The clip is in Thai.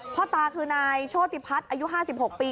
พ่อตาคือนายโชติพัฒน์อายุ๕๖ปี